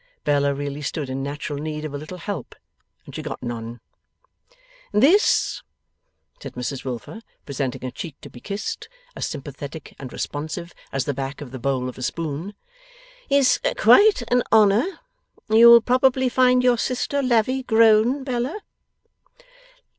Bella really stood in natural need of a little help, and she got none. 'This,' said Mrs Wilfer, presenting a cheek to be kissed, as sympathetic and responsive as the back of the bowl of a spoon, 'is quite an honour! You will probably find your sister Lavvy grown, Bella.